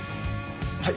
はい？